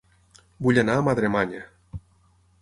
Vull anar a Madremanya